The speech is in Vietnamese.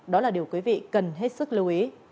đó là điều quý vị cần hết sức lưu ý